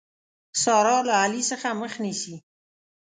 سارا له علي څخه مخ نيسي.